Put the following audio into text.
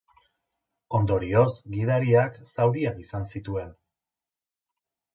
Ondorioz, gidariak zauriak izan zituen.